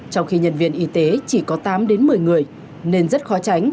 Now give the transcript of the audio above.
trong khi nhân viên y tế chỉ có tám đến một mươi người nên rất khó tránh